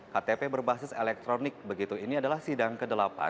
ktp berbasis elektronik begitu ini adalah sidang ke delapan